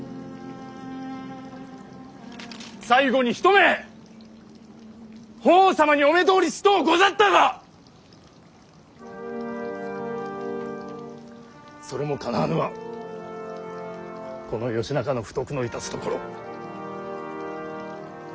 最後に一目法皇様にお目通りしとうござったがそれもかなわぬはこの義仲の不徳のいたすところ。